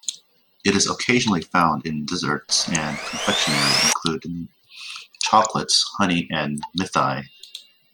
It is occasionally found in desserts and confectionery, including chocolates, honey and "mithai".